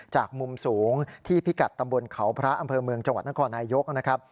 จากมุมสูงที่พิกัดตำบลเขาพระอำเภอเมืองจังหวัดนครนายกนะครับ